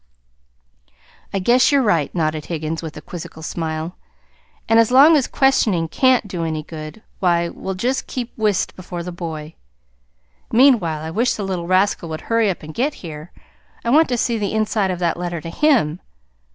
"I guess you're right," nodded Higgins, with a quizzical smile. "And as long as questioning CAN'T do any good, why, we'll just keep whist before the boy. Meanwhile I wish the little rascal would hurry up and get here. I want to see the inside of that letter to HIM.